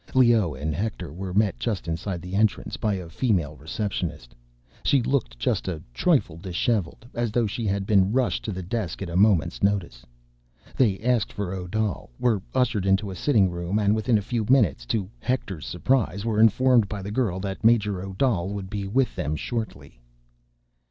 Leoh and Hector were met just inside the entrance by a female receptionist. She looked just a trifle disheveled—as though she had been rushed to the desk at a moment's notice. They asked for Odal, were ushered into a sitting room, and within a few minutes—to Hector's surprise—were informed by the girl that Major Odal would be with them shortly.